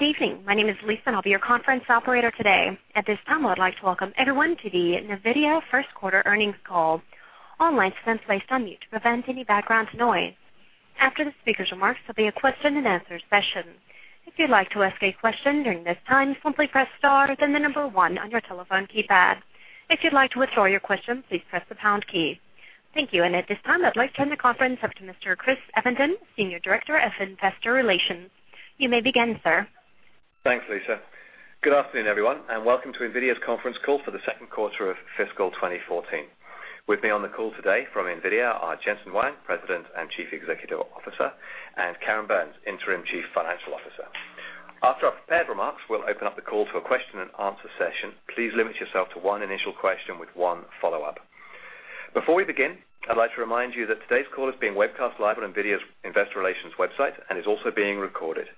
Good evening. My name is Lisa, and I'll be your conference operator today. At this time, I would like to welcome everyone to the NVIDIA first quarter earnings call. All lines have been placed on mute to prevent any background noise. After the speaker's remarks, there'll be a question and answer session. If you'd like to ask a question during this time, simply press star, then the number one on your telephone keypad. If you'd like to withdraw your question, please press the pound key. Thank you, and at this time, I'd like to turn the conference up to Mr. Chris Evenden, Senior Director of Investor Relations. You may begin, sir. Thanks, Lisa. Good afternoon, everyone, and welcome to NVIDIA's conference call for the second quarter of fiscal 2014. With me on the call today from NVIDIA are Jensen Huang, President and Chief Executive Officer, and Karen Burns, Interim Chief Financial Officer. After our prepared remarks, we'll open up the call to a question and answer session. Please limit yourself to one initial question with one follow-up. Before we begin, I'd like to remind you that today's call is being webcast live on NVIDIA's investor relations website and is also being recorded.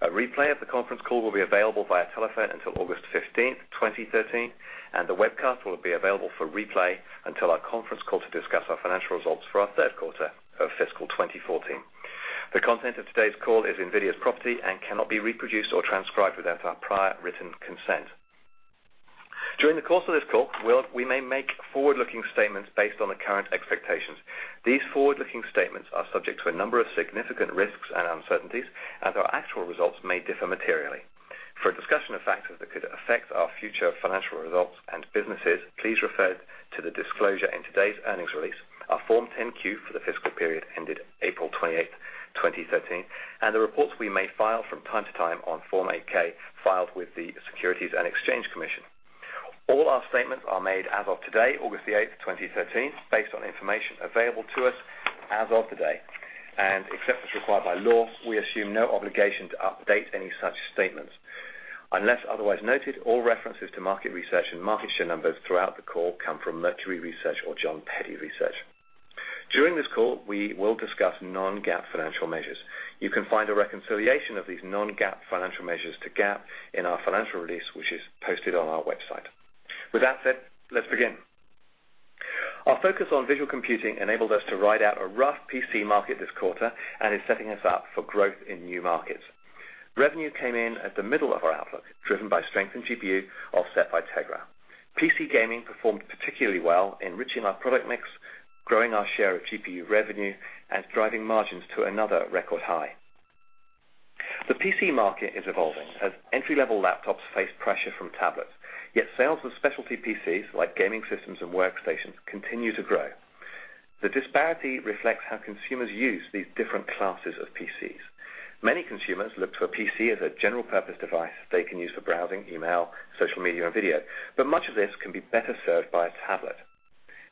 A replay of the conference call will be available via telephone until August 15th, 2013, and the webcast will be available for replay until our conference call to discuss our financial results for our third quarter of fiscal 2014. The content of today's call is NVIDIA's property and cannot be reproduced or transcribed without our prior written consent. During the course of this call, we may make forward-looking statements based on the current expectations. These forward-looking statements are subject to a number of significant risks and uncertainties, and our actual results may differ materially. For a discussion of factors that could affect our future financial results and businesses, please refer to the disclosure in today's earnings release, our Form 10-Q for the fiscal period ended April 28th, 2013, and the reports we may file from time to time on Form 8-K filed with the Securities and Exchange Commission. All our statements are made as of today, August the 8th, 2013, based on information available to us as of today. Except as required by law, we assume no obligation to update any such statements. Unless otherwise noted, all references to market research and market share numbers throughout the call come from Mercury Research or Jon Peddie Research. During this call, we will discuss non-GAAP financial measures. You can find a reconciliation of these non-GAAP financial measures to GAAP in our financial release, which is posted on our website. With that said, let's begin. Our focus on visual computing enabled us to ride out a rough PC market this quarter and is setting us up for growth in new markets. Revenue came in at the middle of our outlook, driven by strength in GPU offset by Tegra. PC gaming performed particularly well, enriching our product mix, growing our share of GPU revenue, and driving margins to another record high. The PC market is evolving as entry-level laptops face pressure from tablets. Yet sales of specialty PCs, like gaming systems and workstations, continue to grow. The disparity reflects how consumers use these different classes of PCs. Many consumers look to a PC as a general purpose device they can use for browsing email, social media, and video, but much of this can be better served by a tablet.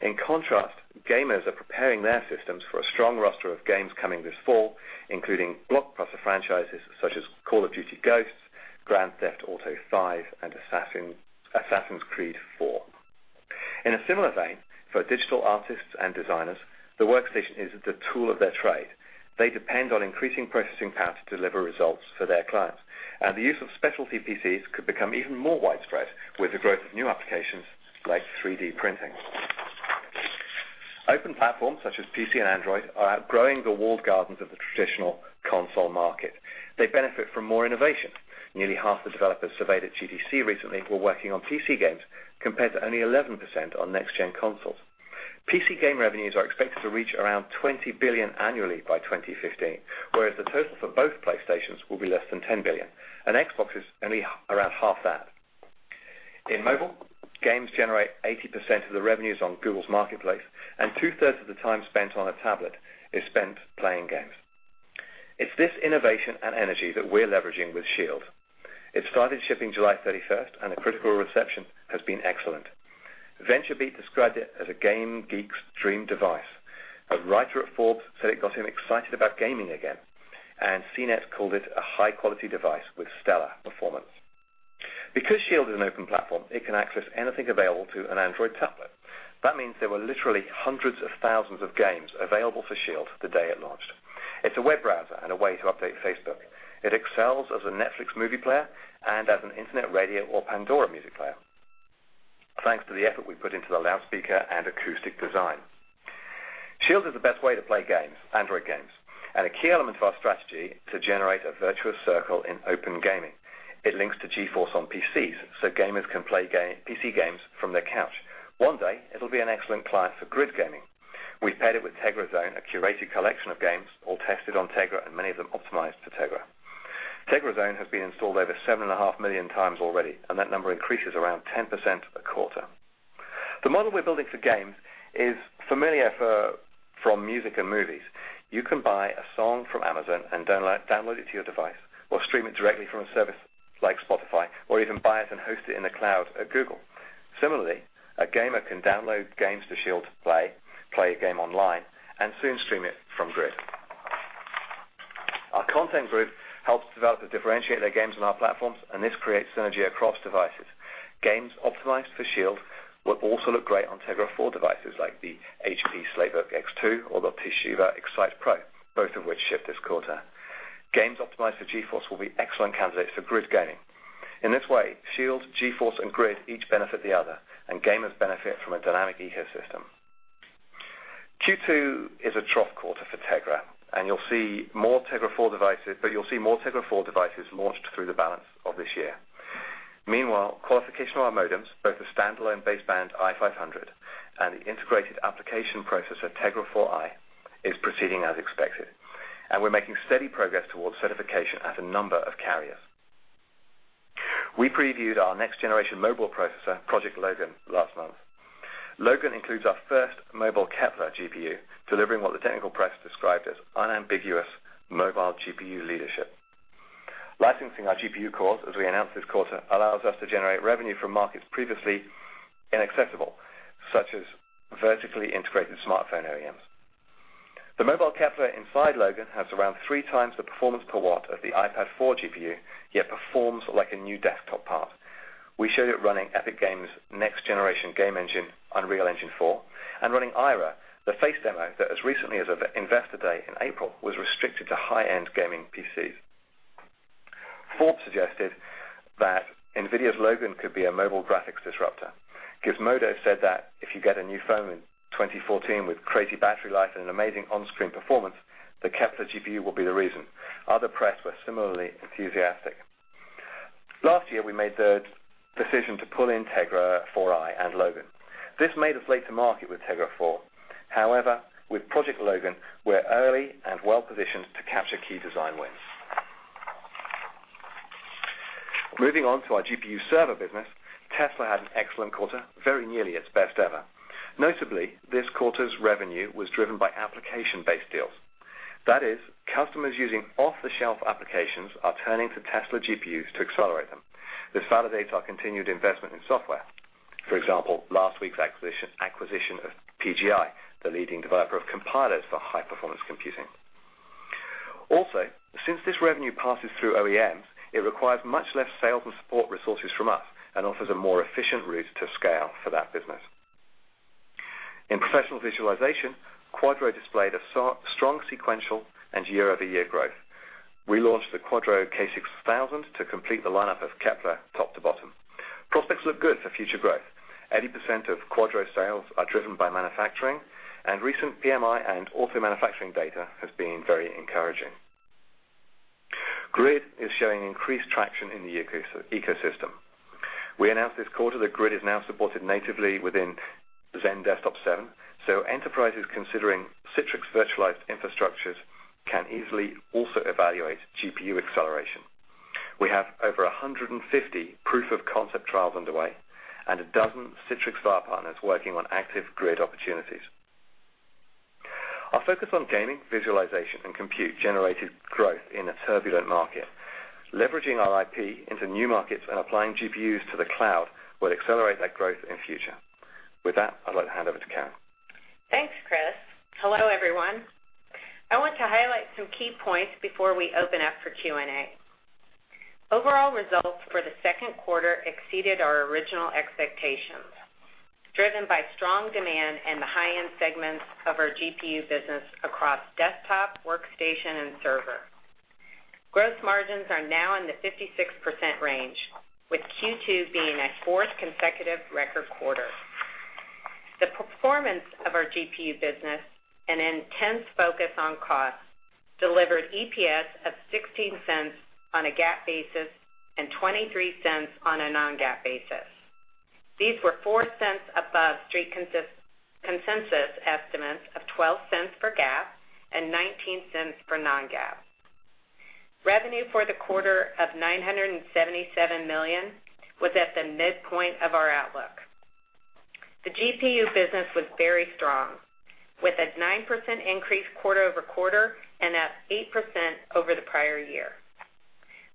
In contrast, gamers are preparing their systems for a strong roster of games coming this fall, including blockbuster franchises such as Call of Duty: Ghosts, Grand Theft Auto V, and Assassin's Creed 4. In a similar vein, for digital artists and designers, the workstation is the tool of their trade. They depend on increasing processing power to deliver results for their clients, and the use of specialty PCs could become even more widespread with the growth of new applications like 3D printing. Open platforms such as PC and Android are outgrowing the walled gardens of the traditional console market. They benefit from more innovation. Nearly half the developers surveyed at GDC recently were working on PC games compared to only 11% on next gen consoles. PC game revenues are expected to reach around $20 billion annually by 2015, whereas the total for both PlayStations will be less than $10 billion, and Xbox is only around half that. In mobile, games generate 80% of the revenues on Google's marketplace, and two-thirds of the time spent on a tablet is spent playing games. It's this innovation and energy that we're leveraging with SHIELD. It started shipping July 31st, and the critical reception has been excellent. VentureBeat described it as a game geek's dream device. A writer at Forbes said it got him excited about gaming again. CNET called it a high-quality device with stellar performance. SHIELD is an open platform, it can access anything available to an Android tablet. That means there were literally hundreds of thousands of games available for SHIELD the day it launched. It's a web browser and a way to update Facebook. It excels as a Netflix movie player and as an internet radio or Pandora music player, thanks to the effort we put into the loudspeaker and acoustic design. SHIELD is the best way to play games, Android games, and a key element to our strategy to generate a virtuous circle in open gaming. It links to GeForce on PCs so gamers can play PC games from their couch. One day, it'll be an excellent client for grid gaming. We've paired it with Tegra Zone, a curated collection of games all tested on Tegra, and many of them optimized for Tegra. Tegra Zone has been installed over seven and a half million times already, and that number increases around 10% a quarter. The model we're building for games is familiar from music and movies. You can buy a song from Amazon and download it to your device or stream it directly from a service like Spotify, or even buy it and host it in the cloud at Google. Similarly, a gamer can download games to SHIELD to play a game online, and soon stream it from GRID. Our content group helps developers differentiate their games on our platforms. This creates synergy across devices. Games optimized for SHIELD will also look great on Tegra 4 devices like the HP SlateBook x2 or the Toshiba Excite Pro, both of which ship this quarter. Games optimized for GeForce will be excellent candidates for grid gaming. In this way, SHIELD, GeForce, and GRID each benefit the other, and gamers benefit from a dynamic ecosystem. Q2 is a trough quarter for Tegra, but you'll see more Tegra 4 devices launched through the balance of this year. Meanwhile, qualification of our modems, both the standalone baseband i500 and the integrated application processor, Tegra 4i, is proceeding as expected, and we're making steady progress towards certification at a number of carriers. We previewed our next-generation mobile processor, Project Logan, last month. Logan includes our first mobile Kepler GPU, delivering what the technical press described as unambiguous mobile GPU leadership. Licensing our GPU cores, as we announced this quarter, allows us to generate revenue from markets previously inaccessible, such as vertically integrated smartphone OEMs. The mobile Kepler inside Logan has around three times the performance per watt of the iPad 4 GPU, yet performs like a new desktop part. We showed it running Epic Games' next-generation game engine, Unreal Engine 4, and running Ira, the face demo that as recently as Investor Day in April, was restricted to high-end gaming PCs. Forbes suggested that NVIDIA's Logan could be a mobile graphics disruptor. Gizmodo said that if you get a new phone in 2014 with crazy battery life and amazing on-screen performance, the Kepler GPU will be the reason. Other press were similarly enthusiastic. Last year, we made the decision to pull in Tegra 4i and Logan. This made us late to market with Tegra 4. However, with Project Logan, we're early and well-positioned to capture key design wins. Moving on to our GPU server business, Tesla had an excellent quarter, very nearly its best ever. Notably, this quarter's revenue was driven by application-based deals. That is, customers using off-the-shelf applications are turning to Tesla GPUs to accelerate them. This validates our continued investment in software. For example, last week's acquisition of PGI, the leading developer of compilers for high-performance computing. Also, since this revenue passes through OEMs, it requires much less sales and support resources from us and offers a more efficient route to scale for that business. In professional visualization, Quadro displayed a strong sequential and year-over-year growth. We launched the Quadro K6000 to complete the lineup of Kepler top to bottom. Prospects look good for future growth. 80% of Quadro sales are driven by manufacturing, and recent PMI and auto manufacturing data has been very encouraging. GRID is showing increased traction in the ecosystem. We announced this quarter that GRID is now supported natively within XenDesktop 7, so enterprises considering Citrix virtualized infrastructures can easily also evaluate GPU acceleration. We have over 150 proof-of-concept trials underway and a dozen Citrix star partners working on active GRID opportunities. Our focus on gaming, visualization, and compute generated growth in a turbulent market. Leveraging our IP into new markets and applying GPUs to the cloud will accelerate that growth in the future. With that, I'd like to hand over to Karen. Thanks, Chris. Hello, everyone. I want to highlight some key points before we open up for Q&A. Overall results for the second quarter exceeded our original expectations, driven by strong demand in the high-end segments of our GPU business across desktop, workstation, and server. Gross margins are now in the 56% range, with Q2 being a fourth consecutive record quarter. The performance of our GPU business, and intense focus on cost, delivered EPS of $0.16 on a GAAP basis and $0.23 on a non-GAAP basis. These were $0.04 above street consensus estimates of $0.12 for GAAP and $0.19 for non-GAAP. Revenue for the quarter of $977 million was at the midpoint of our outlook. The GPU business was very strong, with a 9% increase quarter-over-quarter and up 8% over the prior year.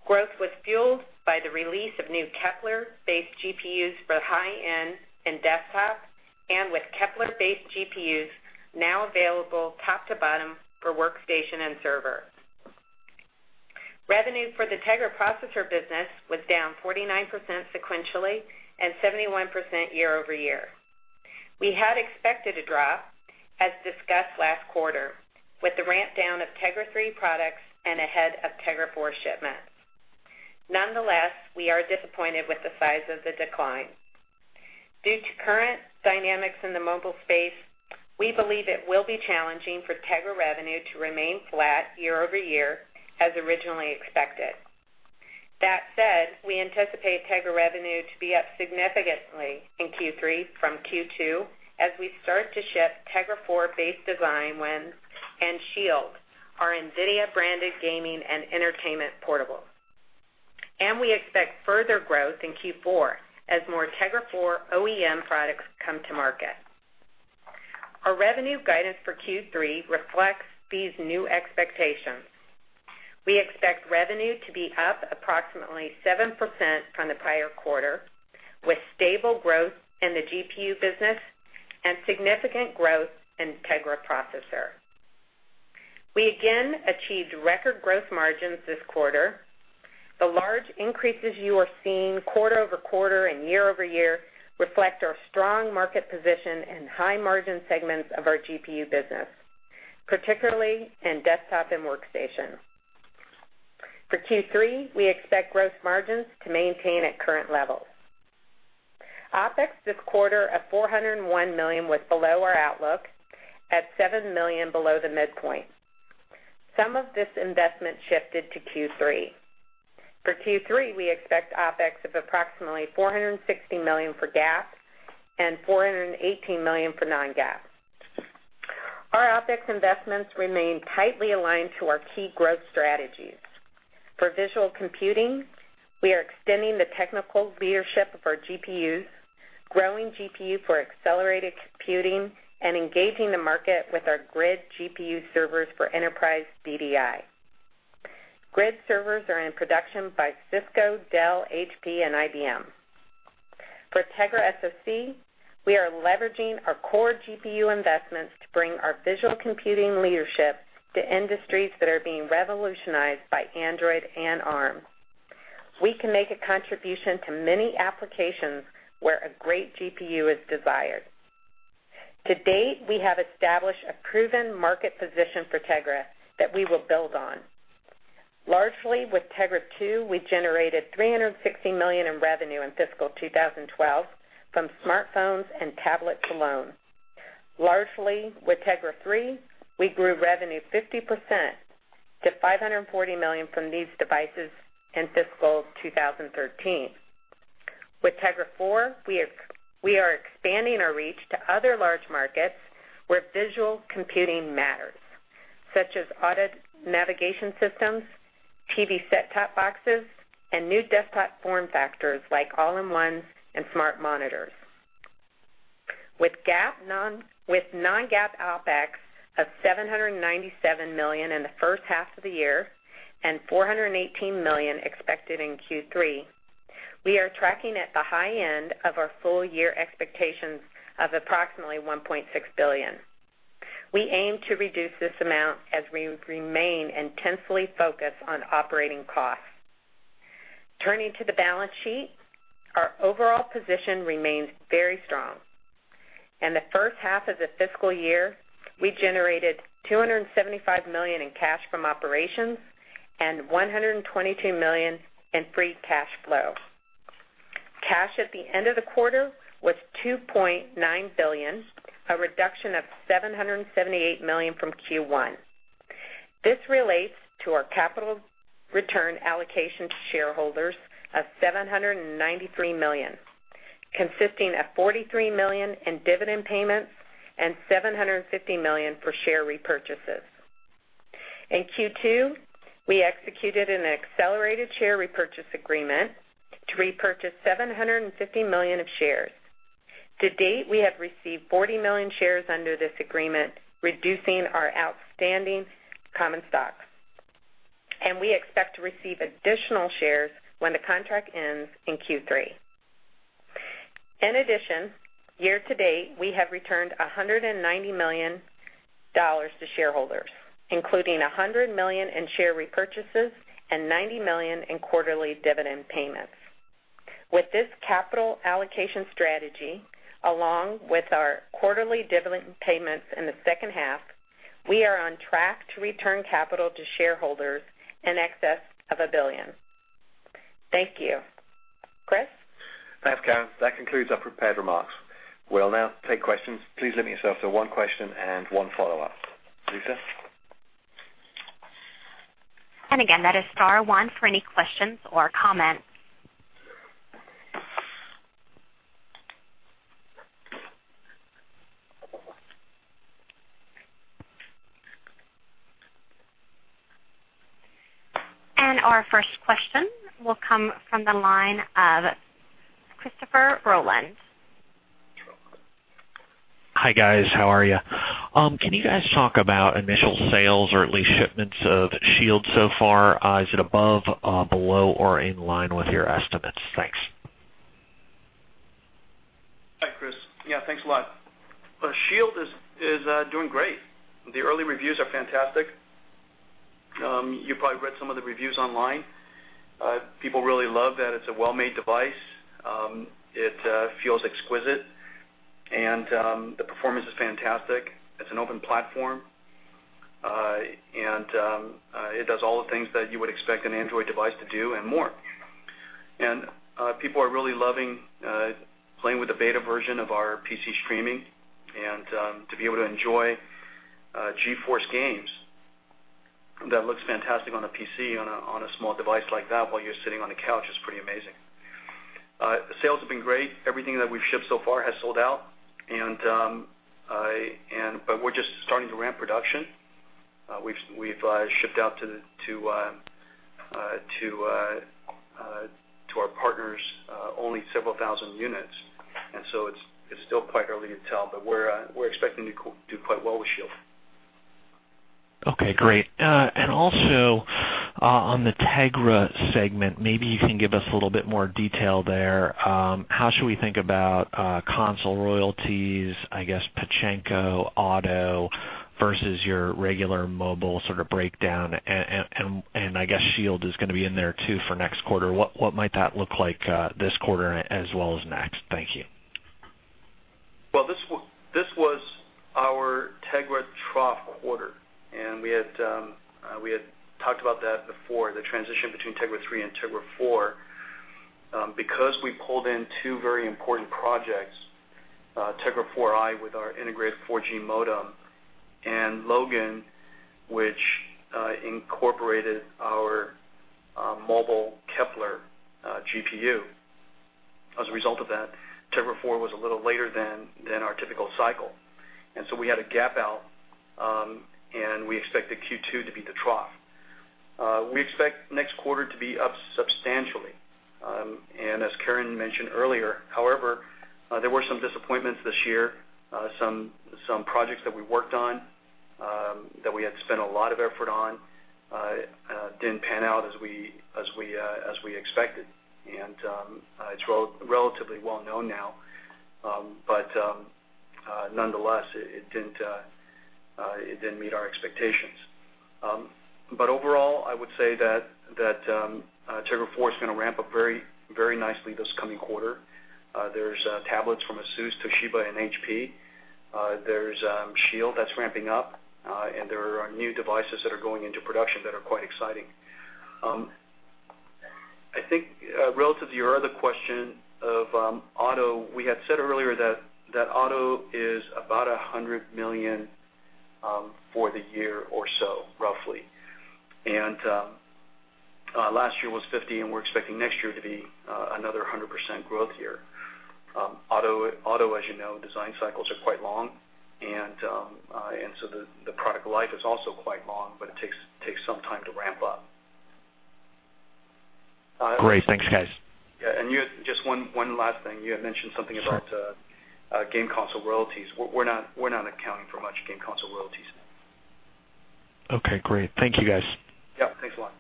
Growth was fueled by the release of new Kepler-based GPUs for high-end and desktop, and with Kepler-based GPUs now available top to bottom for workstation and server. Revenue for the Tegra processor business was down 49% sequentially and 71% year-over-year. We had expected a drop, as discussed last quarter, with the ramp-down of Tegra 3 products and ahead of Tegra 4 shipments. Nonetheless, we are disappointed with the size of the decline. Due to current dynamics in the mobile space, we believe it will be challenging for Tegra revenue to remain flat year-over-year, as originally expected. That said, we anticipate Tegra revenue to be up significantly in Q3 from Q2 as we start to ship Tegra 4-based design wins and SHIELD, our NVIDIA-branded gaming and entertainment portable. We expect further growth in Q4 as more Tegra 4 OEM products come to market. Our revenue guidance for Q3 reflects these new expectations. We expect revenue to be up approximately 7% from the prior quarter, with stable growth in the GPU business and significant growth in Tegra processor. We again achieved record growth margins this quarter. The large increases you are seeing quarter-over-quarter and year-over-year reflect our strong market position in high-margin segments of our GPU business, particularly in desktop and workstations. For Q3, we expect growth margins to maintain at current levels. OPEX this quarter of $401 million was below our outlook at $7 million below the midpoint. Some of this investment shifted to Q3. For Q3, we expect OPEX of approximately $460 million for GAAP and $418 million for non-GAAP. Our OPEX investments remain tightly aligned to our key growth strategies. For visual computing, we are extending the technical leadership of our GPUs, growing GPU for accelerated computing, and engaging the market with our GRID GPU servers for enterprise VDI. GRID servers are in production by Cisco, Dell, HP, and IBM. For Tegra SoC, we are leveraging our core GPU investments to bring our visual computing leadership to industries that are being revolutionized by Android and ARM. We can make a contribution to many applications where a great GPU is desired. To date, we have established a proven market position for Tegra that we will build on. Largely with Tegra 2, we generated $360 million in revenue in fiscal 2012 from smartphones and tablets alone. Largely with Tegra 3, we grew revenue 50% to $540 million from these devices in fiscal 2013. With Tegra 4, we are expanding our reach to other large markets where visual computing matters, such as auto navigation systems, TV set-top boxes, and new desktop form factors like all-in-ones and smart monitors. With non-GAAP OPEX of $797 million in the first half of the year and $418 million expected in Q3, we are tracking at the high end of our full-year expectations of approximately $1.6 billion. We aim to reduce this amount as we remain intensely focused on operating costs. Turning to the balance sheet, our overall position remains very strong. In the first half of the fiscal year, we generated $275 million in cash from operations and $122 million in free cash flow. Cash at the end of the quarter was $2.9 billion, a reduction of $778 million from Q1. This relates to our capital return allocation to shareholders of $793 million, consisting of $43 million in dividend payments and $750 million for share repurchases. In Q2, we executed an accelerated share repurchase agreement to repurchase $750 million of shares. To date, we have received 40 million shares under this agreement, reducing our outstanding common stock. We expect to receive additional shares when the contract ends in Q3. In addition, year-to-date, we have returned $190 million to shareholders, including $100 million in share repurchases and $90 million in quarterly dividend payments. With this capital allocation strategy, along with our quarterly dividend payments in the second half, we are on track to return capital to shareholders in excess of $1 billion. Thank you. Chris? Thanks, Karen. That concludes our prepared remarks. We will now take questions. Please limit yourself to one question and one follow-up. Lisa? Again, that is star one for any questions or comments. Our first question will come from the line of Christopher Rolland. Hi, guys. How are you? Can you guys talk about initial sales or at least shipments of Shield so far? Is it above, below, or in line with your estimates? Thanks. Hi, Chris. Yeah, thanks a lot. Shield is doing great. The early reviews are fantastic. You probably read some of the reviews online. People really love that it's a well-made device. It feels exquisite, and the performance is fantastic. It's an open platform, it does all the things that you would expect an Android device to do and more. People are really loving playing with the beta version of our PC streaming and to be able to enjoy GeForce games that looks fantastic on a PC on a small device like that while you're sitting on the couch is pretty amazing. Sales have been great. Everything that we've shipped so far has sold out. We're just starting to ramp production. We've shipped out to our partners only several thousand units, so it's still quite early to tell, but we're expecting to do quite well with Shield. Okay, great. Also on the Tegra segment, maybe you can give us a little bit more detail there. How should we think about console royalties, I guess, Pachinko, auto versus your regular mobile breakdown, Shield is going to be in there too for next quarter. What might that look like this quarter as well as next? Thank you. Well, this was our Tegra trough quarter, we had talked about that before, the transition between Tegra 3 and Tegra 4. Because we pulled in two very important projects, Tegra 4i with our integrated 4G modem and Logan, which incorporated our mobile Kepler GPU. As a result of that, Tegra 4 was a little later than our typical cycle. So we had a gap out, we expected Q2 to be the trough. We expect next quarter to be up substantially. As Colette mentioned earlier, however, there were some disappointments this year. Some projects that we worked on, that we had spent a lot of effort on, didn't pan out as we expected. It's relatively well-known now. Nonetheless, it didn't meet our expectations. Overall, I would say that Tegra 4 is going to ramp up very nicely this coming quarter. There's tablets from ASUS, Toshiba, and HP. There's SHIELD that's ramping up. There are new devices that are going into production that are quite exciting. I think, relative to your other question of auto, we had said earlier that auto is about $100 million for the year or so, roughly. Last year was $50 million, and we're expecting next year to be another 100% growth year. Auto, as you know, design cycles are quite long. The product life is also quite long, but it takes some time to ramp up. Great. Thanks, guys. Yeah. Just one last thing. You had mentioned something about game console royalties. We're not accounting for much game console royalties. Okay, great. Thank you, guys. Yeah. Thanks a lot.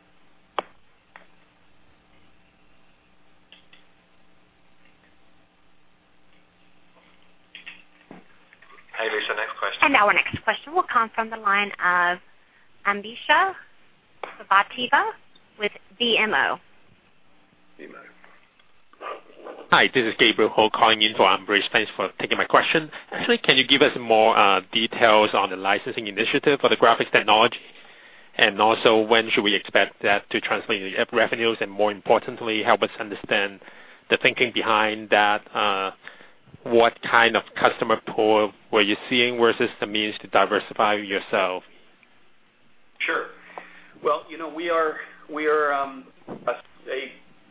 Hey, Lisa, next question. Now our next question will come from the line of Ambrish Srivastava with BMO. BMO. Hi, this is Gabriel calling in for Ambrish. Thanks for taking my question. Actually, can you give us more details on the licensing initiative for the graphics technology? Also, when should we expect that to translate into revenues? More importantly, help us understand the thinking behind that. What kind of customer pool were you seeing versus the means to diversify yourself? Sure. Well, we are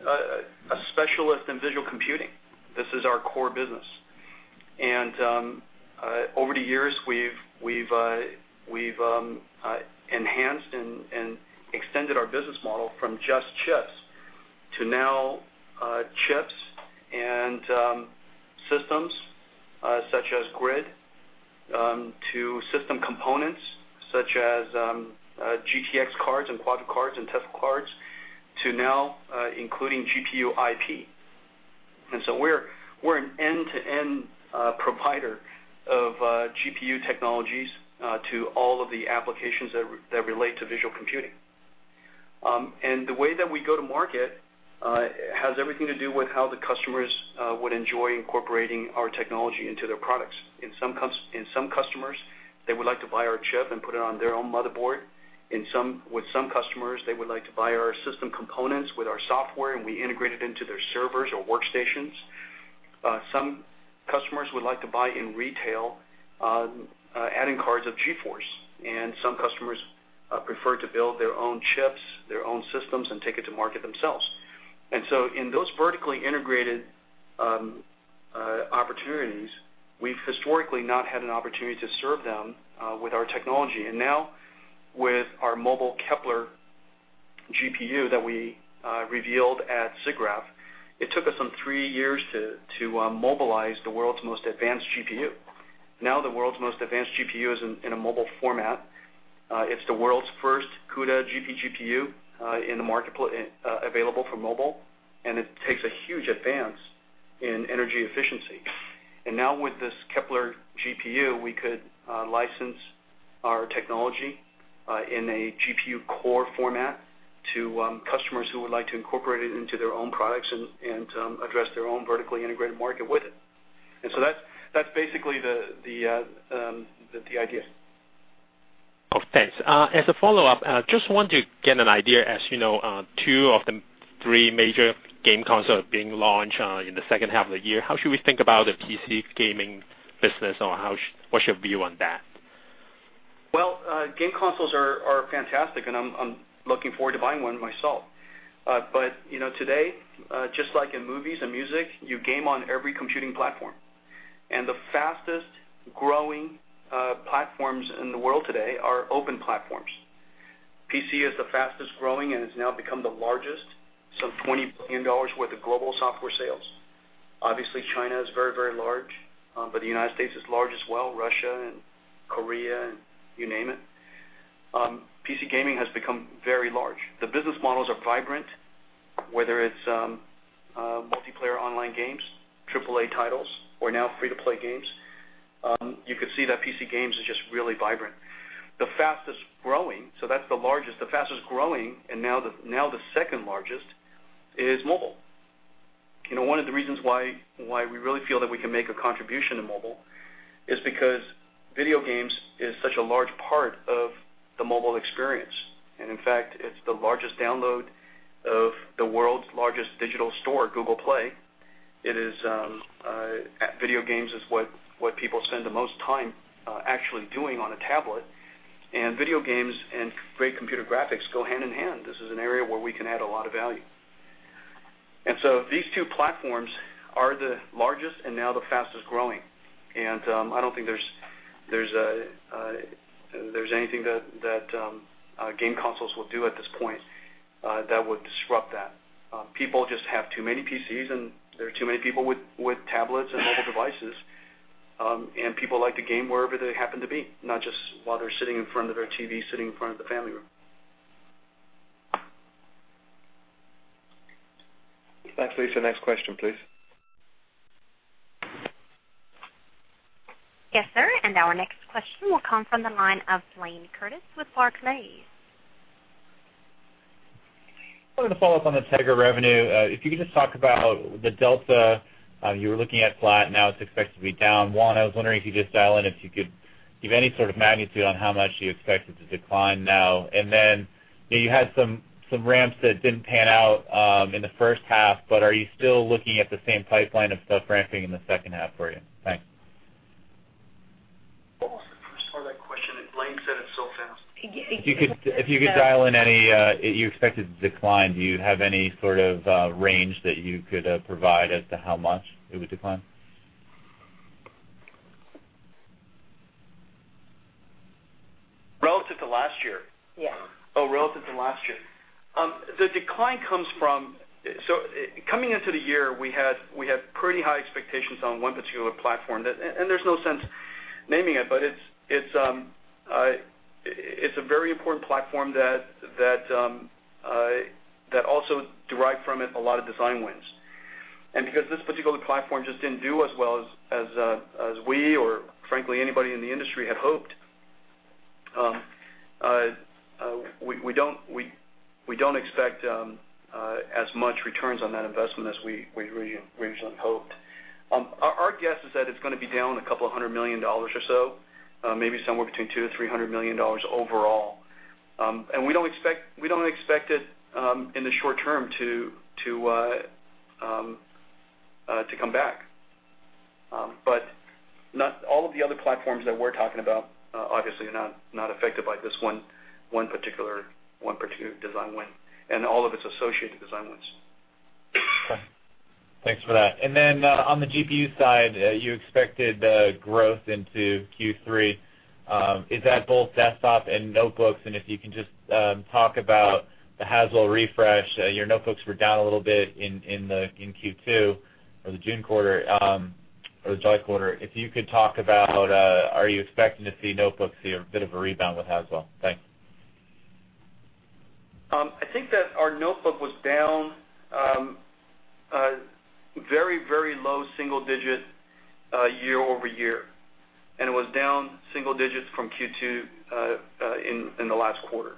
a specialist in visual computing. This is our core business. Over the years, we've enhanced and extended our business model from just chips to now chips and systems such as GRID, to system components such as GTX cards and Quadro cards and Tesla cards, to now including GPU IP. We're an end-to-end provider of GPU technologies to all of the applications that relate to visual computing. The way that we go to market has everything to do with how the customers would enjoy incorporating our technology into their products. In some customers, they would like to buy our chip and put it on their own motherboard. With some customers, they would like to buy our system components with our software, and we integrate it into their servers or workstations. Some customers would like to buy in retail adding cards of GeForce. Some customers prefer to build their own chips, their own systems, and take it to market themselves. In those vertically integrated opportunities, we've historically not had an opportunity to serve them with our technology. Now with our mobile Kepler GPU that we revealed at SIGGRAPH, it took us some three years to mobilize the world's most advanced GPU. Now the world's most advanced GPU is in a mobile format. It's the world's first CUDA GPGPU in the marketplace available for mobile, and it takes a huge advance in energy efficiency. Now with this Kepler GPU, we could license our technology in a GPU core format to customers who would like to incorporate it into their own products and address their own vertically integrated market with it. That's basically the idea. Thanks. As a follow-up, just want to get an idea, as you know, two of the three major game consoles are being launched in the second half of the year. How should we think about the PC gaming business, or what's your view on that? Well, game consoles are fantastic, I'm looking forward to buying one myself. Today, just like in movies and music, you game on every computing platform. The fastest-growing platforms in the world today are open platforms. PC is the fastest-growing and has now become the largest, some $20 billion worth of global software sales. Obviously, China is very large, but the United States is large as well, Russia and Korea, you name it. PC gaming has become very large. The business models are vibrant, whether it's multiplayer online games, AAA titles, or now free-to-play games. You could see that PC games are just really vibrant. The fastest-growing, that's the largest, the fastest-growing and now the second largest is mobile. One of the reasons why we really feel that we can make a contribution to mobile is because video games is such a large part of the mobile experience. In fact, it's the largest download of the world's largest digital store, Google Play. Video games is what people spend the most time actually doing on a tablet, and video games and great computer graphics go hand in hand. This is an area where we can add a lot of value. These two platforms are the largest and now the fastest-growing. I don't think there's anything that game consoles will do at this point that would disrupt that. People just have too many PCs, and there are too many people with tablets and mobile devices. People like to game wherever they happen to be, not just while they're sitting in front of their TV, sitting in front of the family room. Thanks, Lisa. Next question, please. Yes, sir. Our next question will come from the line of Blayne Curtis with Barclays. I wanted to follow up on the Tegra revenue. If you could just talk about the delta. You were looking at flat, now it's expected to be down one. I was wondering if you could just dial in, if you could give any sort of magnitude on how much you expect it to decline now. Then you had some ramps that didn't pan out in the first half, but are you still looking at the same pipeline of stuff ramping in the second half for you? Thanks. What was the first part of that question? Blayne said it so fast. If you could dial in any you expect it to decline, do you have any sort of range that you could provide as to how much it would decline? Relative to last year? Yes. Relative to last year. Coming into the year, we had pretty high expectations on one particular platform. There's no sense naming it, but it's a very important platform that also derived from it a lot of design wins. Because this particular platform just didn't do as well as we or frankly, anybody in the industry had hoped, we don't expect as much returns on that investment as we originally hoped. Our guess is that it's going to be down a couple of hundred million dollars or so, maybe somewhere between $200 million-$300 million overall. We don't expect it in the short term to come back. All of the other platforms that we're talking about obviously are not affected by this one particular design win, and all of its associated design wins. Thanks for that. On the GPU side, you expected growth into Q3. Is that both desktop and notebooks? If you can just talk about the Haswell refresh. Your notebooks were down a little bit in Q2 or the June quarter, or the July quarter. If you could talk about, are you expecting to see notebooks see a bit of a rebound with Haswell? Thanks. I think that our notebook was down very low single digit year-over-year. It was down single digits from Q2 in the last quarter.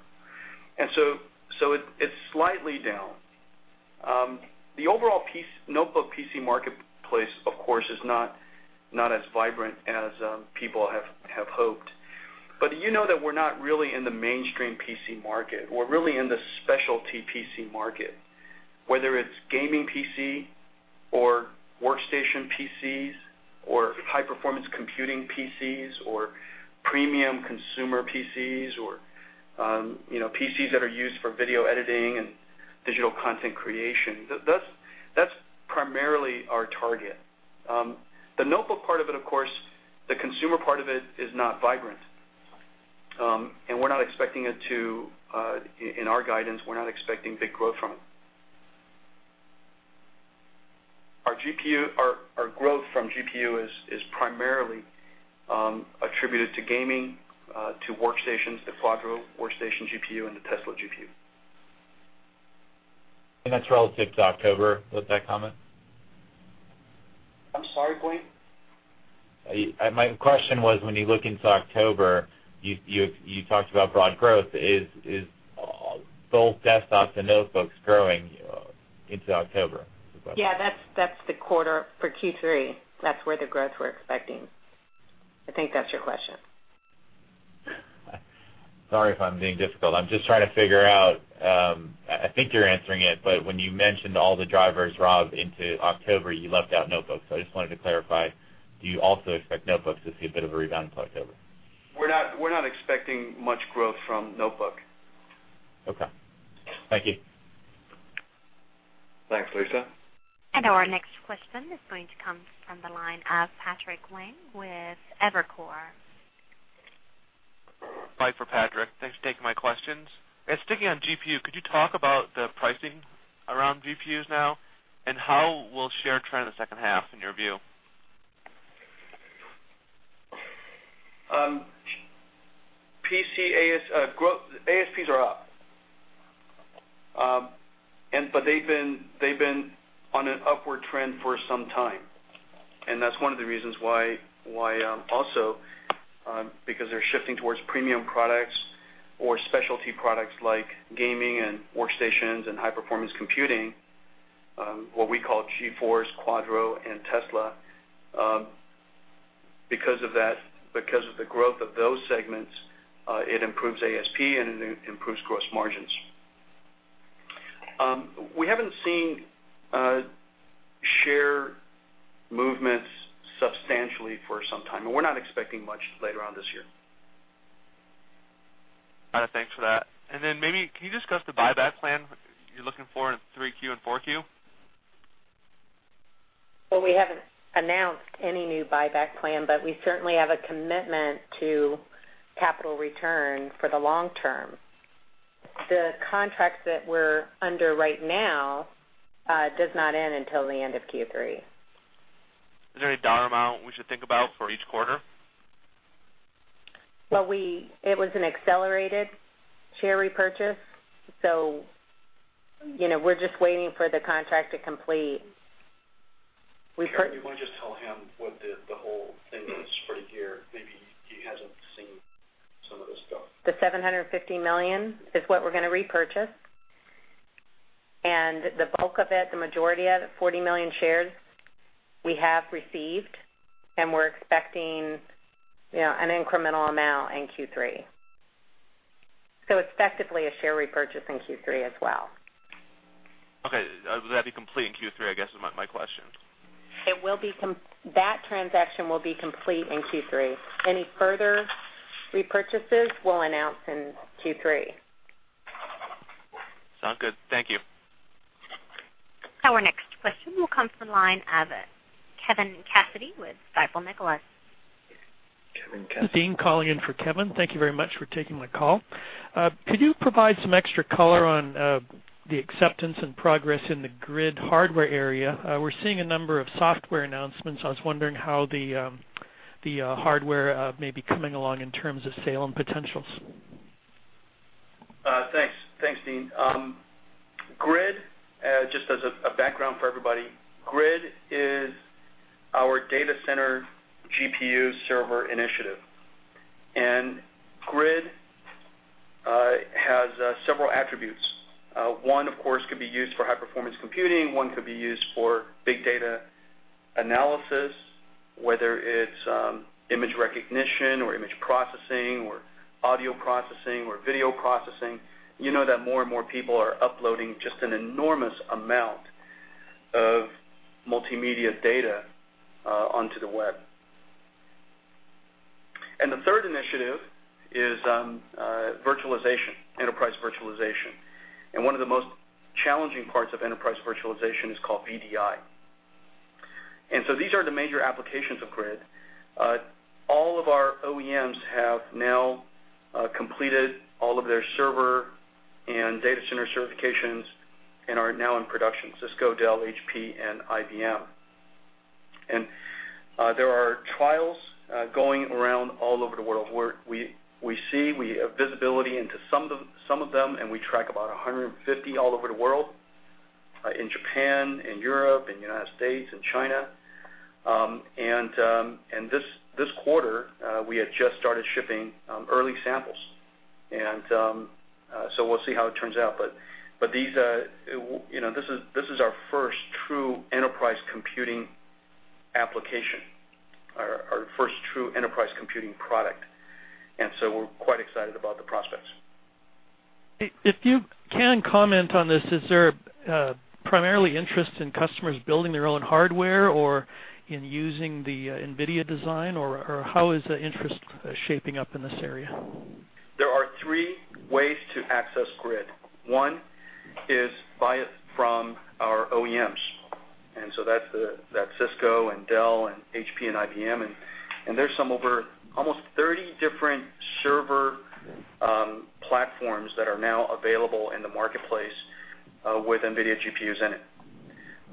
It's slightly down. The overall notebook PC marketplace, of course, is not as vibrant as people have hoped. You know that we're not really in the mainstream PC market. We're really in the specialty PC market, whether it's gaming PC or workstation PCs or high-performance computing PCs or premium consumer PCs or PCs that are used for video editing and digital content creation. That's primarily our target. The notebook part of it, of course, the consumer part of it is not vibrant. In our guidance, we're not expecting big growth from it. Our growth from GPU is primarily attributed to gaming, to workstations, the Quadro workstation GPU, and the Tesla GPU. That's relative to October with that comment? I'm sorry, Blayne? My question was, when you look into October, you talked about broad growth. Is both desktops and notebooks growing into October is the question. Yeah, that's the quarter for Q3. That's where the growth we're expecting. I think that's your question. Sorry if I'm being difficult. I'm just trying to figure out, I think you're answering it, but when you mentioned all the drivers, Rob, into October, you left out notebooks. I just wanted to clarify, do you also expect notebooks to see a bit of a rebound for October? We're not expecting much growth from notebook. Okay. Thank you. Thanks, Lisa. Our next question is going to come from the line of Patrick Wang with Evercore. Hi, Patrick. Thanks for taking my questions. Sticking on GPU, could you talk about the pricing around GPUs now? How will share trend in the second half in your view? ASPs are up. They've been on an upward trend for some time. That's one of the reasons why also, because they're shifting towards premium products or specialty products like gaming and workstations and high-performance computing, what we call GeForce, Quadro, and Tesla. Because of the growth of those segments, it improves ASP and it improves gross margins. We haven't seen share movements substantially for some time, and we're not expecting much later on this year. Got it. Thanks for that. Maybe, can you discuss the buyback plan you're looking for in 3Q and 4Q? Well, we haven't announced any new buyback plan, but we certainly have a commitment to capital return for the long term. The contract that we're under right now does not end until the end of Q3. Is there any dollar amount we should think about for each quarter? Well, it was an accelerated share repurchase, we're just waiting for the contract to complete. Karen, do you want to just tell him what the whole thing is for the year? Maybe he hasn't seen some of the stuff. The $750 million is what we're going to repurchase, the bulk of it, the majority of it, 40 million shares, we have received, we're expecting an incremental amount in Q3. Effectively, a share repurchase in Q3 as well. Okay. Will that be complete in Q3, I guess is my question. That transaction will be complete in Q3. Any further repurchases we'll announce in Q3. Sounds good. Thank you. Our next question will come from the line of Kevin Cassidy with Stifel Nicolaus. Kevin Cassidy. Dean calling in for Kevin. Thank you very much for taking my call. Could you provide some extra color on the acceptance and progress in the GRID hardware area? We're seeing a number of software announcements. I was wondering how the hardware may be coming along in terms of sale and potentials. Thanks, Dean. Just as a background for everybody, GRID is our data center GPU server initiative. GRID has several attributes. One, of course, could be used for high-performance computing. One could be used for big data analysis, whether it's image recognition or image processing, or audio processing, or video processing. You know that more and more people are uploading just an enormous amount of multimedia data onto the web. The third initiative is virtualization, enterprise virtualization. One of the most challenging parts of enterprise virtualization is called VDI. These are the major applications of GRID. All of our OEMs have now completed all of their server and data center certifications and are now in production, Cisco, Dell, HP, and IBM. There are trials going around all over the world, where we see, we have visibility into some of them, and we track about 150 all over the world, in Japan, in Europe, in the U.S., in China. This quarter, we had just started shipping early samples. We'll see how it turns out. But this is our first true enterprise computing application, our first true enterprise computing product. We're quite excited about the prospects. If you can comment on this, is there primarily interest in customers building their own hardware or in using the NVIDIA design, or how is the interest shaping up in this area? There are three ways to access GRID. One is buy it from our OEMs. That's Cisco and Dell and HP and IBM, and there's some over almost 30 different server platforms that are now available in the marketplace with NVIDIA GPUs in it.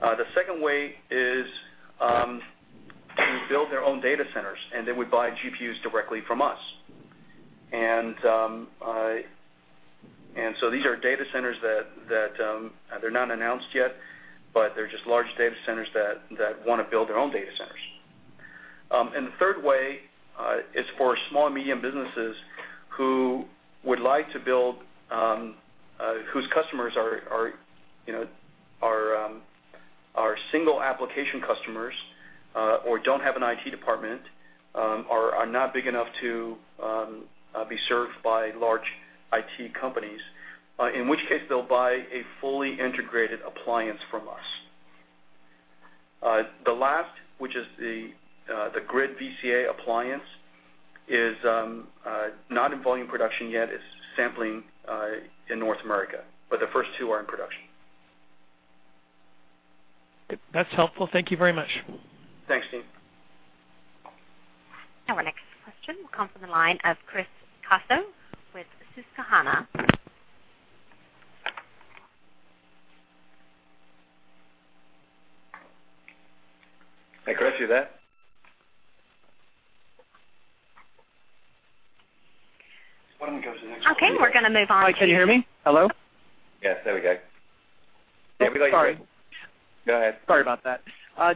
The second way is to build their own data centers, and they would buy GPUs directly from us. These are data centers that are not announced yet, but they're just large data centers that want to build their own data centers. The third way is for small and medium businesses whose customers are single application customers or don't have an IT department, are not big enough to be served by large IT companies, in which case, they'll buy a fully integrated appliance from us. The last, which is the GRID VCA appliance, is not in volume production yet. It's sampling in North America. The first two are in production. That's helpful. Thank you very much. Thanks, Dean. Our next question will come from the line of Chris Caso with Susquehanna. Hey, Chris. You there? Why don't we go to the next one? Okay, we're going to move on to. Mike, can you hear me? Hello? Yes. There we go. Everybody good? Sorry. Go ahead. Sorry about that.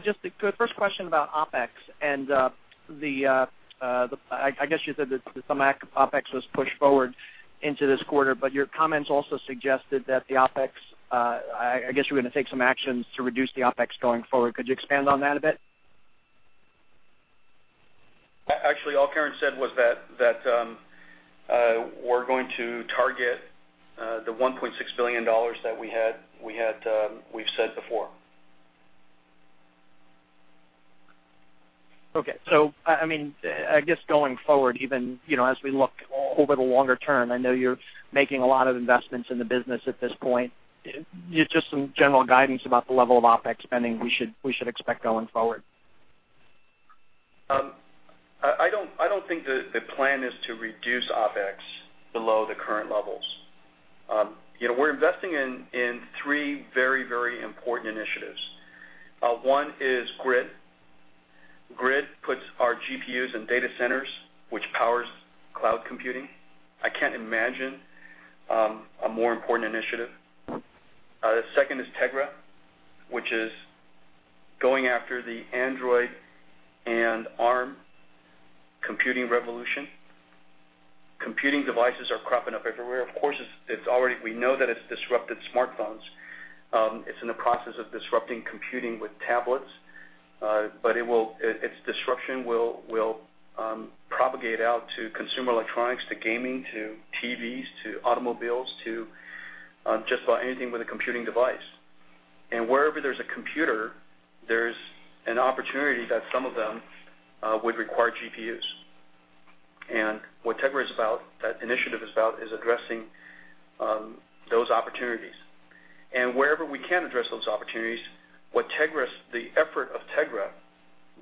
Just a first question about OpEx and I guess you said that some OpEx was pushed forward into this quarter, but your comments also suggested that the OpEx, I guess you were going to take some actions to reduce the OpEx going forward. Could you expand on that a bit? Actually, all Karen said was that we're going to target the $1.6 billion that we've said before. Okay. I guess going forward even, as we look over the longer term, I know you're making a lot of investments in the business at this point. Just some general guidance about the level of OpEx spending we should expect going forward. I don't think the plan is to reduce OpEx below the current levels. We're investing in three very important initiatives. One is GRID. GRID puts our GPUs in data centers, which powers cloud computing. I can't imagine a more important initiative. The second is Tegra, which is going after the Android and ARM computing revolution. Computing devices are cropping up everywhere. Of course, we know that it's disrupted smartphones. It's in the process of disrupting computing with tablets. Its disruption will propagate out to consumer electronics, to gaming, to TVs, to automobiles, to just about anything with a computing device. Wherever there's a computer, there's an opportunity that some of them would require GPUs. What Tegra is about, that initiative is about, is addressing those opportunities. Wherever we can address those opportunities, the effort of Tegra,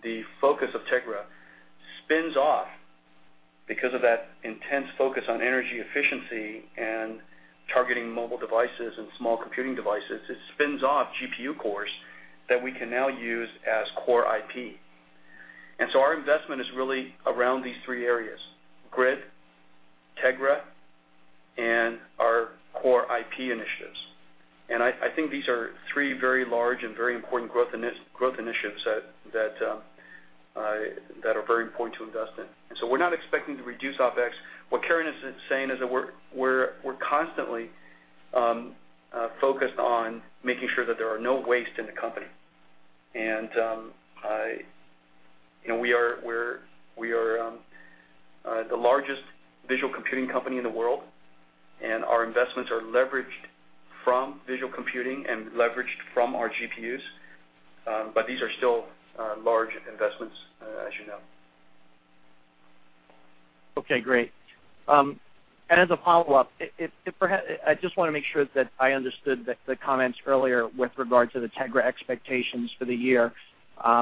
the focus of Tegra spins off because of that intense focus on energy efficiency and targeting mobile devices and small computing devices, it spins off GPU cores that we can now use as core IP. Our investment is really around these three areas, GRID, Tegra, and our core IP initiatives. I think these are three very large and very important growth initiatives that are very important to invest in. We're not expecting to reduce OpEx. What Karen is saying is that we're constantly focused on making sure that there are no waste in the company. We are the largest visual computing company in the world, and our investments are leveraged from visual computing and leveraged from our GPUs. These are still large investments, as you know. Okay, great. As a follow-up, I just want to make sure that I understood the comments earlier with regard to the Tegra expectations for the year. I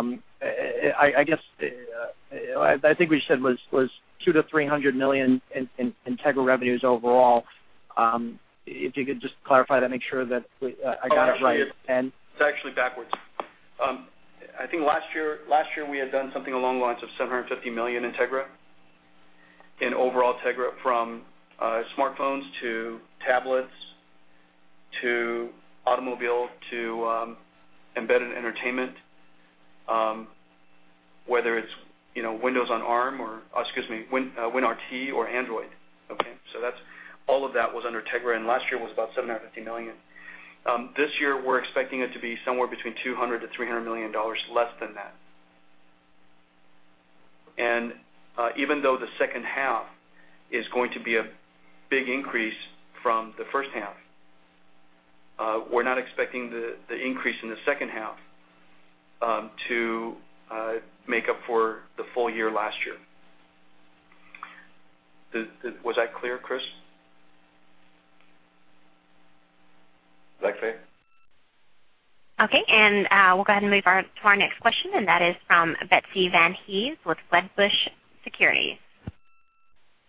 think what you said was $200 million-$300 million in Tegra revenues overall. If you could just clarify that, make sure that I got it right. It's actually backwards. I think last year we had done something along the lines of $750 million in Tegra, in overall Tegra, from smartphones to tablets, to automobile, to embedded entertainment, whether it's WinRT or Android. Okay? All of that was under Tegra, and last year was about $750 million. This year, we're expecting it to be somewhere between $200 million-$300 million less than that. Even though the second half is going to be a big increase from the first half, we're not expecting the increase in the second half to make up for the full year last year. Was that clear, Chris? Was that clear? Okay, we'll go ahead and move on to our next question, and that is from Betsy Van Hees with Wedbush Securities.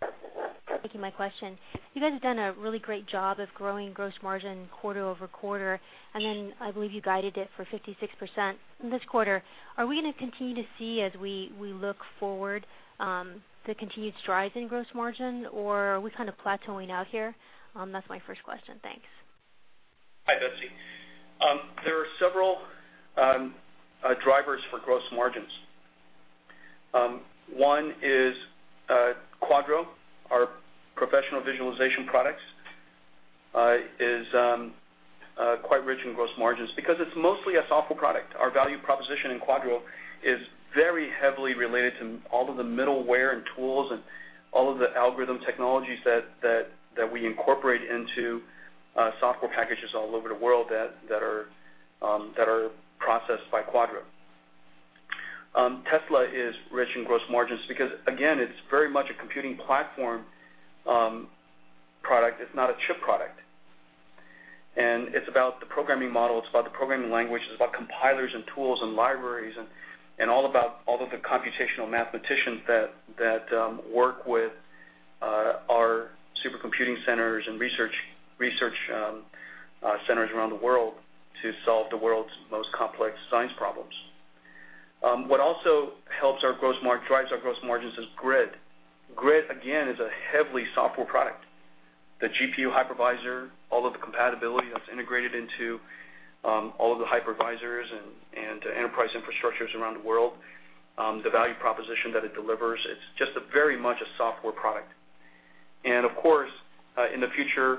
Thank you for taking my question. You guys have done a really great job of growing gross margin quarter-over-quarter, I believe you guided it for 56% this quarter. Are we going to continue to see as we look forward, the continued strides in gross margin, or are we kind of plateauing out here? That's my first question. Thanks. Hi, Betsy. There are several drivers for gross margins. One is Quadro. Our professional visualization products is quite rich in gross margins because it's mostly a software product. Our value proposition in Quadro is very heavily related to all of the middleware and tools and all of the algorithm technologies that we incorporate into software packages all over the world that are processed by Quadro. Tesla is rich in gross margins because, again, it's very much a computing platform product. It's not a chip product. It's about the programming model, it's about the programming language, it's about compilers and tools and libraries, and all about all of the computational mathematicians that work with our supercomputing centers and research centers around the world to solve the world's most complex science problems. What also drives our gross margins is GRID. GRID, again, is a heavily software product. The GPU hypervisor, all of the compatibility that's integrated into all of the hypervisors and enterprise infrastructures around the world, the value proposition that it delivers, it's just very much a software product. Of course, in the future,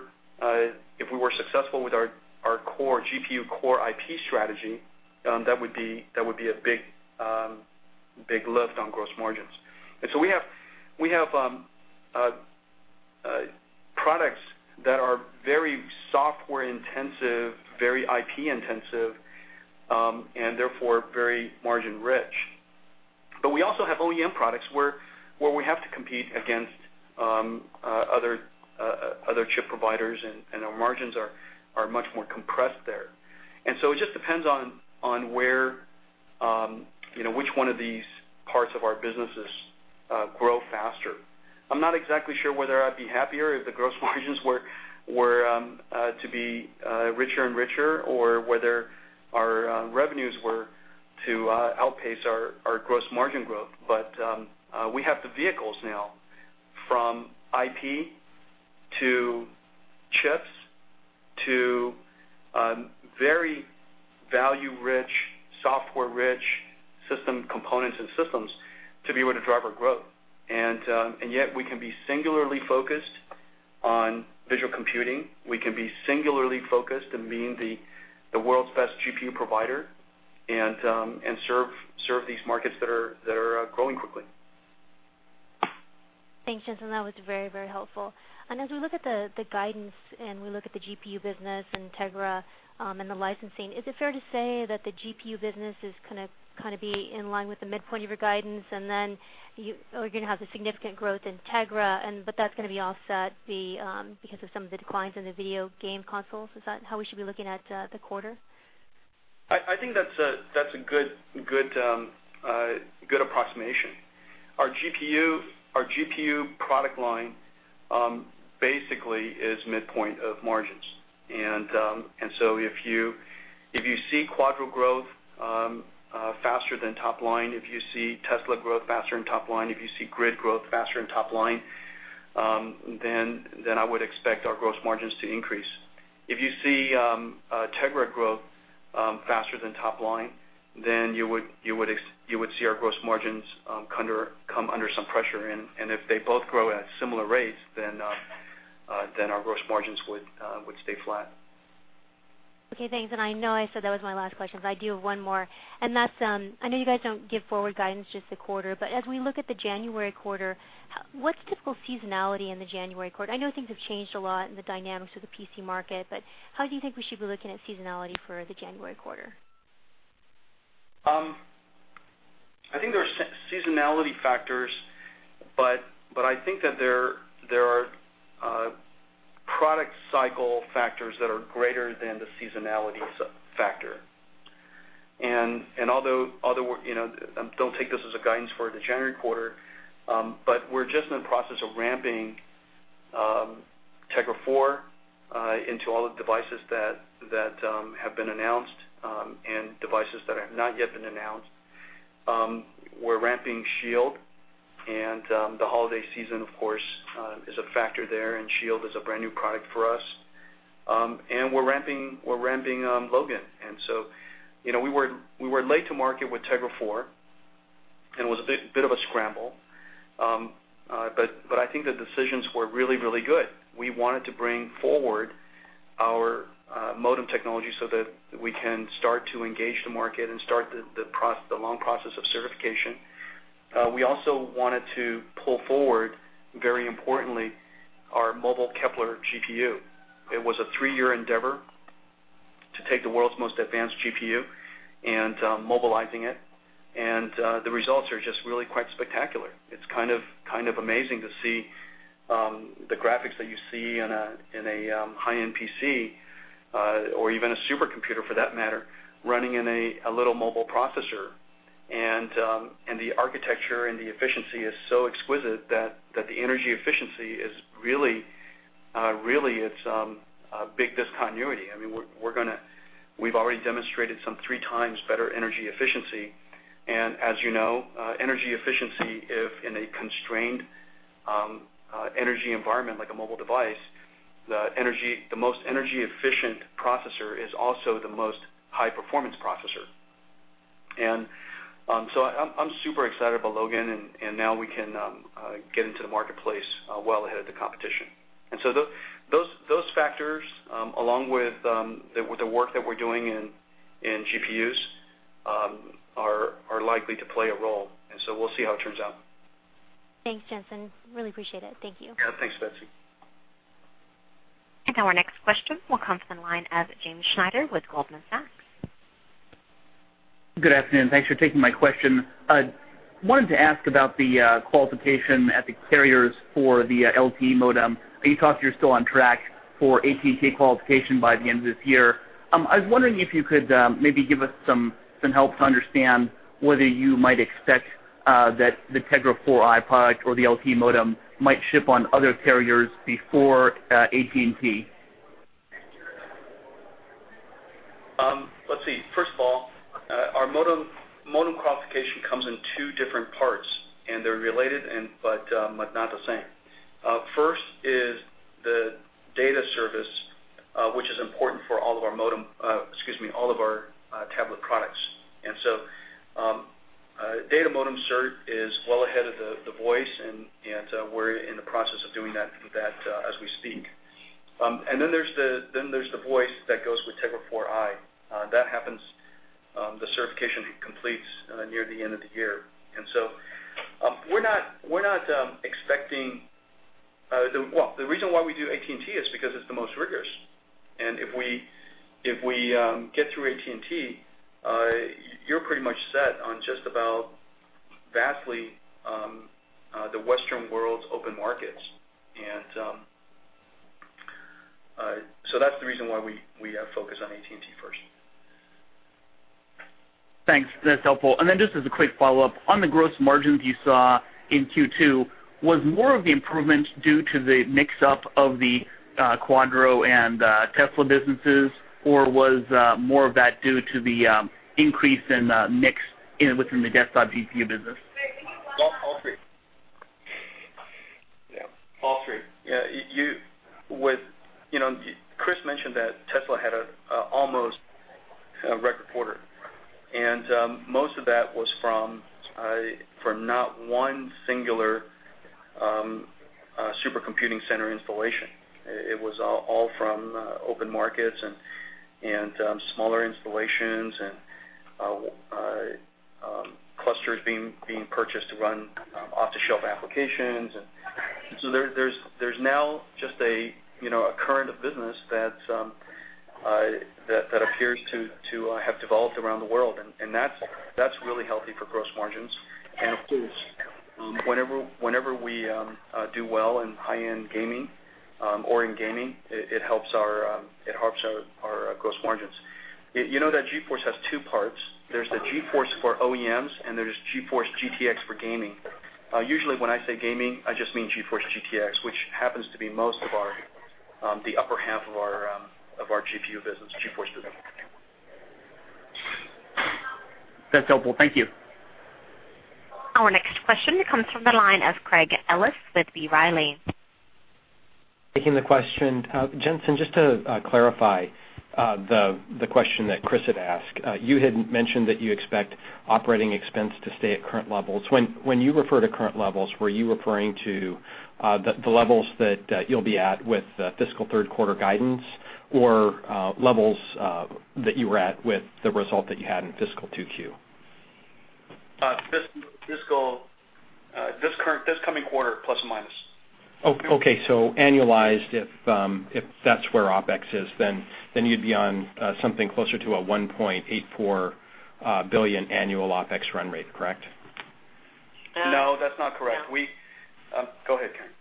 if we were successful with our GPU core IP strategy, that would be a big lift on gross margins. We have products that are very software intensive, very IP intensive, and therefore, very margin rich. We also have OEM products where we have to compete against other chip providers, and our margins are much more compressed there. It just depends on which one of these parts of our businesses grow faster. I'm not exactly sure whether I'd be happier if the gross margins were to be richer and richer, or whether our revenues were to outpace our gross margin growth. We have the vehicles now from IP to chips to very value rich, software rich system components and systems to be able to drive our growth. Yet we can be singularly focused on visual computing. We can be singularly focused in being the world's best GPU provider and serve these markets that are growing quickly. Thanks, Jensen. That was very helpful. As we look at the guidance and we look at the GPU business, Tegra, and the licensing, is it fair to say that the GPU business is going to be in line with the midpoint of your guidance, and then you're going to have the significant growth in Tegra, but that's going to be offset because of some of the declines in the video game consoles? Is that how we should be looking at the quarter? I think that's a good approximation. Our GPU product line basically is midpoint of margins. If you see Quadro growth faster than top line, if you see Tesla growth faster than top line, if you see GRID growth faster than top line, then I would expect our gross margins to increase. If you see Tegra growth faster than top line, then you would see our gross margins come under some pressure. If they both grow at similar rates, then our gross margins would stay flat. Okay, thanks. I know I said that was my last question, but I do have one more, and that's, I know you guys don't give forward guidance, just the quarter. As we look at the January quarter, what's typical seasonality in the January quarter? I know things have changed a lot in the dynamics of the PC market, but how do you think we should be looking at seasonality for the January quarter? I think there are seasonality factors, but I think that there are product cycle factors that are greater than the seasonality factor. Although, don't take this as a guidance for the January quarter, but we're just in the process of ramping Tegra 4 into all the devices that have been announced and devices that have not yet been announced. We're ramping SHIELD, and the holiday season, of course, is a factor there, and SHIELD is a brand-new product for us. We're ramping Logan. We were late to market with Tegra 4, and it was a bit of a scramble. I think the decisions were really good. We wanted to bring forward our modem technology so that we can start to engage the market and start the long process of certification. We also wanted to pull forward, very importantly, our mobile Kepler GPU. It was a three-year endeavor to take the world's most advanced GPU and mobilizing it, and the results are just really quite spectacular. It's kind of amazing to see the graphics that you see in a high-end PC, or even a supercomputer for that matter, running in a little mobile processor. The architecture and the efficiency is so exquisite that the energy efficiency is really, it's a big discontinuity. We've already demonstrated some three times better energy efficiency, and as you know, energy efficiency, if in a constrained energy environment like a mobile device, the most energy efficient processor is also the most high performance processor. I'm super excited about Logan, and now we can get into the marketplace well ahead of the competition. Those factors, along with the work that we're doing in GPUs, are likely to play a role, and so we'll see how it turns out. Thanks, Jensen. Really appreciate it. Thank you. Yeah. Thanks, Betsy. Now our next question will come from the line of James Schneider with Goldman Sachs. Good afternoon. Thanks for taking my question. I wanted to ask about the qualification at the carriers for the LTE modem. I think you talked you're still on track for AT&T qualification by the end of this year. I was wondering if you could maybe give us some help to understand whether you might expect that the Tegra 4i product or the LTE modem might ship on other carriers before AT&T? Let's see. First of all, our modem qualification comes in two different parts, and they're related, but not the same. First is the data service, which is important for all of our modem, excuse me, all of our tablet products. Data modem cert is well ahead of the voice, and we're in the process of doing that as we speak. There's the voice that goes with Tegra 4i. That happens, the certification completes near the end of the year. We're not expecting. The reason why we do AT&T is because it's the most rigorous. If we get through AT&T, you're pretty much set on just about vastly the Western world's open markets. That's the reason why we have focused on AT&T first. Thanks. That's helpful. Just as a quick follow-up, on the gross margins you saw in Q2, was more of the improvement due to the mix-up of the Quadro and Tesla businesses, or was more of that due to the increase in mix within the desktop GPU business? All three. Yeah. All three. Yeah. Chris mentioned that Tesla had almost a record quarter, and most of that was from not one singular supercomputing center installation. It was all from open markets and smaller installations and clusters being purchased to run off-the-shelf applications. There's now just a current of business that appears to have developed around the world, and that's really healthy for gross margins. Of course, whenever we do well in high-end gaming or in gaming, it helps our gross margins. You know that GeForce has two parts. There's the GeForce for OEMs, and there's GeForce GTX for gaming. Usually when I say gaming, I just mean GeForce GTX, which happens to be most of the upper half of our GPU business, GeForce business. That's helpful. Thank you. Our next question comes from the line of Craig Ellis with B. Riley. Taking the question. Jensen, just to clarify the question that Chris had asked. You had mentioned that you expect operating expense to stay at current levels. When you refer to current levels, were you referring to the levels that you'll be at with fiscal third quarter guidance or levels that you were at with the result that you had in fiscal 2Q? This coming quarter, plus or minus. Annualized, if that's where OpEx is, then you'd be on something closer to a $1.84 billion annual OpEx run rate, correct? No, that's not correct. No. Go ahead, Karen.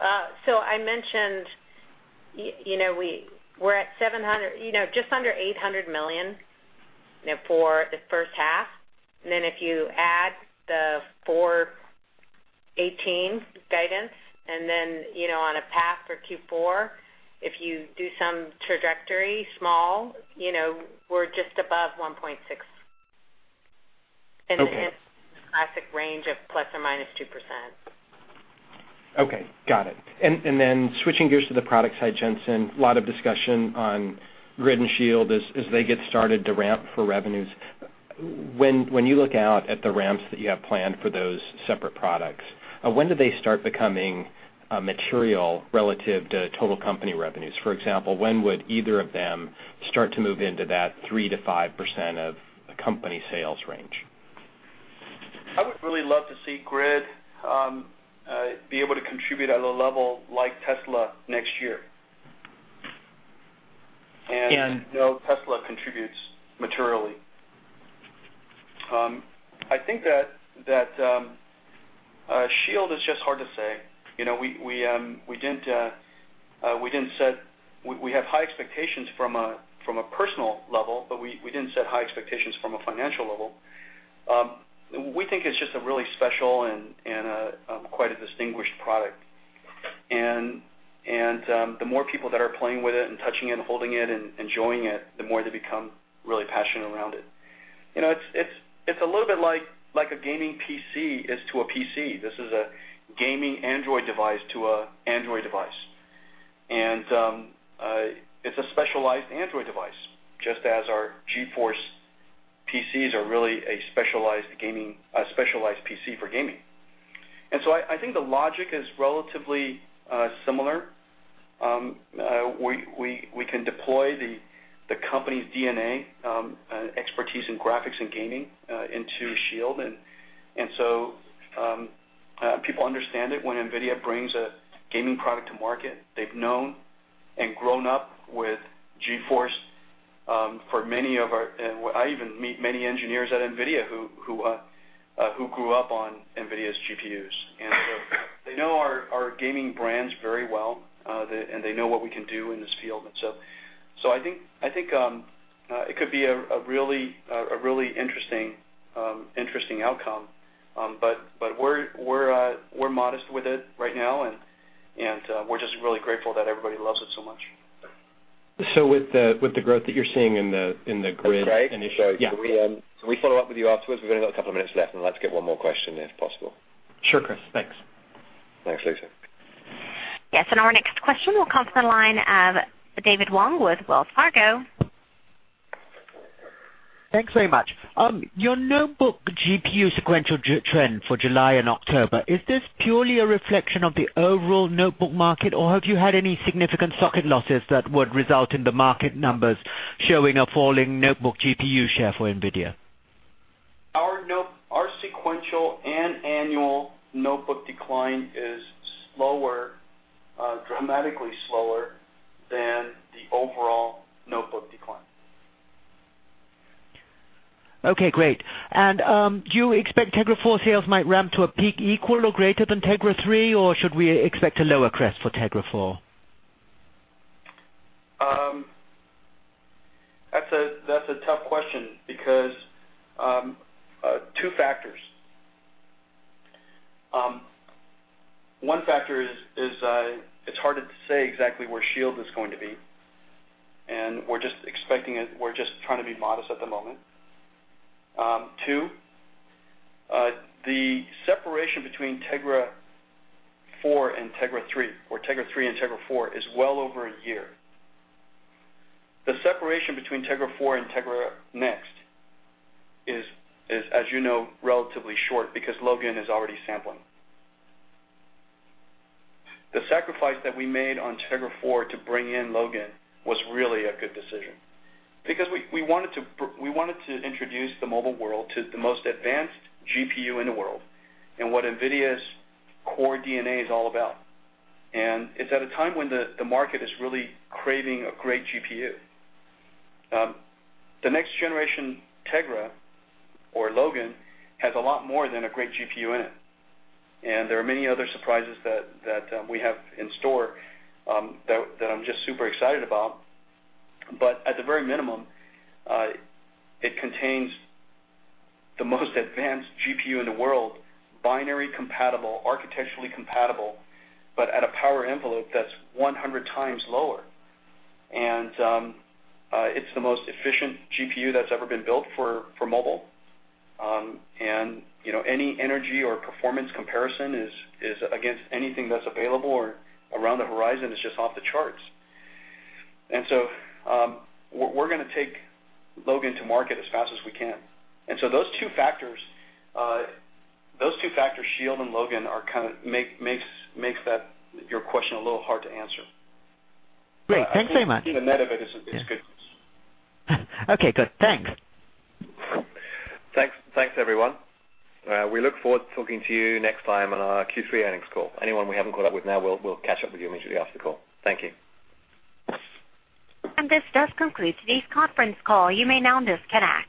I mentioned we're at just under $800 million for the first half, and then if you add the $418 million guidance and then on a path for Q4, if you do some trajectory, small, we're just above $1.6 billion. Okay. The classic range of ±2%. Okay. Got it. Switching gears to the product side, Jensen, a lot of discussion on GRID and SHIELD as they get started to ramp for revenues. When you look out at the ramps that you have planned for those separate products, when do they start becoming material relative to total company revenues? For example, when would either of them start to move into that 3%-5% of company sales range? I would really love to see GRID be able to contribute at a level like Tesla next year. And- Tesla contributes materially. I think that SHIELD is just hard to say. We have high expectations from a personal level, but we didn't set high expectations from a financial level. We think it's just a really special and quite a distinguished product. The more people that are playing with it and touching it and holding it and enjoying it, the more they become really passionate around it. It's a little bit like a gaming PC is to a PC. This is a gaming Android device to an Android device. It's a specialized Android device, just as our GeForce PCs are really a specialized PC for gaming. I think the logic is relatively similar. We can deploy the company's DNA expertise in graphics and gaming into SHIELD. People understand it when NVIDIA brings a gaming product to market. They've known and grown up with GeForce for many of our. I even meet many engineers at NVIDIA who grew up on NVIDIA's GPUs. They know our gaming brands very well, and they know what we can do in this field. I think it could be a really interesting outcome. We're modest with it right now, and we're just really grateful that everybody loves it so much. With the growth that you're seeing in the GRID. That's great. Yeah. Can we follow up with you afterwards? We've only got a couple of minutes left, and I'd like to get one more question if possible. Sure, Chris. Thanks. Thanks, Craig. Yes, our next question will come from the line of David Wong with Wells Fargo. Thanks very much. Your notebook GPU sequential trend for July and October, is this purely a reflection of the overall notebook market, or have you had any significant socket losses that would result in the market numbers showing a falling notebook GPU share for NVIDIA? Our sequential and annual notebook decline is dramatically slower than the overall notebook decline. Okay, great. Do you expect Tegra 4 sales might ramp to a peak equal or greater than Tegra 3, or should we expect a lower crest for Tegra 4? That's a tough question because two factors. One factor is, it's hard to say exactly where SHIELD is going to be, and we're just trying to be modest at the moment. Two, the separation between Tegra 4 and Tegra 3 or Tegra 3 and Tegra 4 is well over a year. The separation between Tegra 4 and Tegra next is, as you know, relatively short because Logan is already sampling. The sacrifice that we made on Tegra 4 to bring in Logan was really a good decision because we wanted to introduce the mobile world to the most advanced GPU in the world and what NVIDIA's core DNA is all about. It's at a time when the market is really craving a great GPU. The next generation, Tegra or Logan, has a lot more than a great GPU in it. There are many other surprises that we have in store that I'm just super excited about. At the very minimum, it contains the most advanced GPU in the world, binary compatible, architecturally compatible, but at a power envelope that's 100 times lower. It's the most efficient GPU that's ever been built for mobile. Any energy or performance comparison is against anything that's available or around the horizon is just off the charts. We're gonna take Logan to market as fast as we can. Those two factors, SHIELD and Logan, makes your question a little hard to answer. Great. Thanks very much. I think the net of it is good news. Okay, good. Thanks. Thanks, everyone. We look forward to talking to you next time on our Q3 earnings call. Anyone we haven't caught up with now, we'll catch up with you immediately after the call. Thank you. This does conclude today's conference call. You may now disconnect.